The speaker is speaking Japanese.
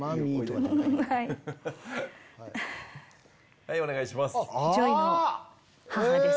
はいお願いします。